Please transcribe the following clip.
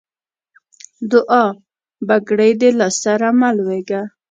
دوعا؛ بګړۍ دې له سره مه لوېږه.